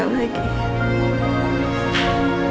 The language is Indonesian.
supaya dia menerima saya lagi